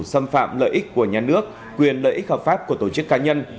xâm phạm lợi ích của nhà nước quyền lợi ích hợp pháp của tổ chức cá nhân